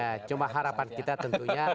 ya cuma harapan kita tentunya